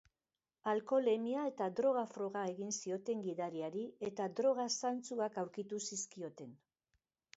Alkoholemia eta droga-froga egin zioten gidariari eta droga zantzuak aurkitu zizkioten.